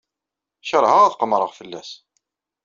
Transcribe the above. Keṛheɣ ad qemmreɣ fell-as.